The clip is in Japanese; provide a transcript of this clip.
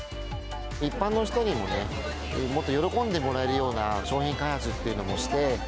一般の人にもね、もっと喜んでもらえるような商品開発っていうのもして。